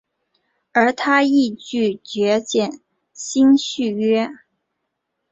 而他亦拒绝减薪续约。